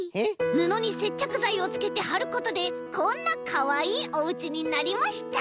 ぬのにせっちゃくざいをつけてはることでこんなかわいいおうちになりました！